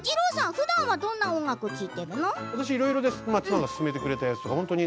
ふだんどんな曲を聴いてるの？